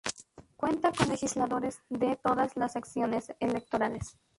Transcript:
Cuenta con legisladores de todas las secciones electorales.